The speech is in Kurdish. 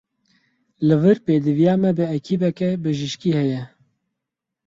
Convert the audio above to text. Li vir pêdiviya me bi ekîbeke bijîşkî heye.